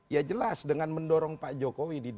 ya jelas dengan mendorong pak jokowi di dua ribu empat belas